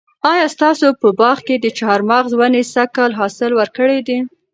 آیا ستاسو په باغ کې د چهارمغز ونې سږ کال حاصل ورکړی دی؟